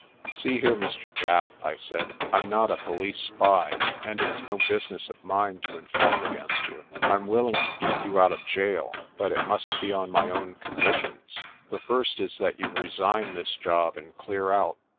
"See here, Mr. Japp," I said, "I'm not a police spy, and it's no business of mine to inform against you I'm willing to keep you out of gaol, but it must be on my own conditions. The first is that you resign this job and clear out.